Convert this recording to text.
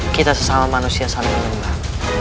kita sesama manusia saling menyebar